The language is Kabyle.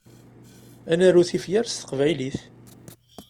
Ad naru tifyar s teqbaylit.